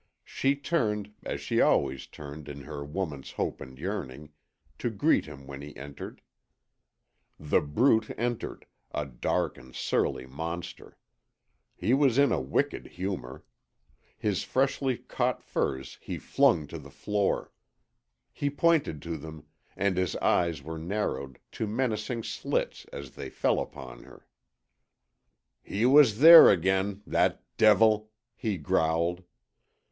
She turned, as she always turned in her woman's hope and yearning, to greet him when he entered. The Brute entered, a dark and surly monster. He was in a wicked humour. His freshly caught furs he flung to the floor. He pointed to them, and his eyes were narrowed to menacing slits as they fell upon her. "He was there again that devil!" he growled.